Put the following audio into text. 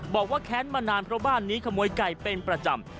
แค้นมานานเพราะบ้านนี้ขโมยไก่เป็นประจำ